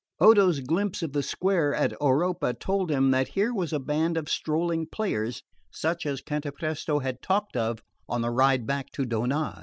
Odo's glimpse of the square at Oropa told him that here was a band of strolling players such as Cantapresto had talked of on the ride back to Donnaz.